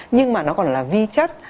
nhưng mà nó còn là vi chất